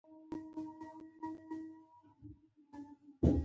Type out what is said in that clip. نوره چاره نه وه چې کاله دېوالونه لکه د کلي ودرېدل.